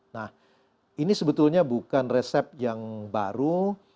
nah ini sebetulnya bukan resep yang baru